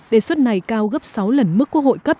đề xuất này cao gấp sáu lần mức quốc hội cấp